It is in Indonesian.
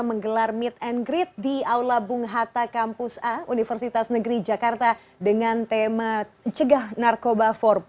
menggelar meet and greet di aula bung hatta kampus a universitas negeri jakarta dengan tema cegah narkoba empat